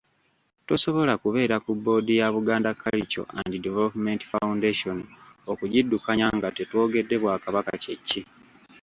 Tosobola kubeera ku boodi ya Buganda Cultural And Development Foundation okugiddukanya nga tetwogedde bwakabaka kye ki.